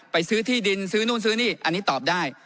ซื้อที่ดินซื้อนู่นซื้อนี่อันนี้ตอบได้